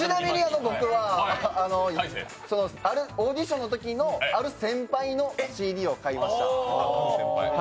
オーディションのときのある先輩のＣＤを買いました。